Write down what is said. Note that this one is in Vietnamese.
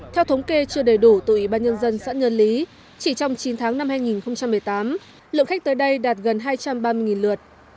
theo thống kê chưa đầy đủ từ ủy ban nhân dân xã nhân lý chỉ trong chín tháng năm hai nghìn một mươi tám lượng khách tới đây đạt gần hai trăm ba mươi lượt